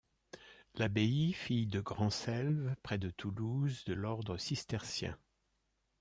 L'abbaye, fille de Grandselve près de Toulouse de l'ordre cistercien.